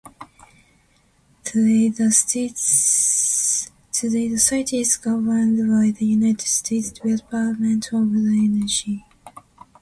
Today, the site is governed by the United States Department of Energy.